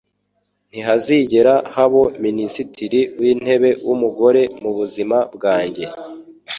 Ntihazigera habo Minisitiri w’intebe w’umugore mu buzima bwanjye"